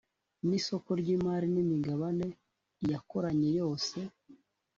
n’isoko ry’imari n’imigabane iyakoranye yose